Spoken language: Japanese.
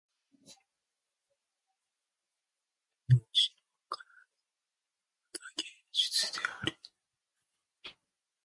命のはかなさもまた芸術である